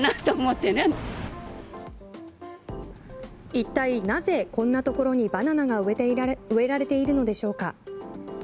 一体なぜこんなところにバナナが植えられているのでしょうか。